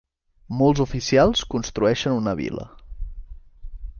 Molts oficials construeixen una vil·la.